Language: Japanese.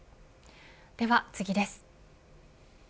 では次です。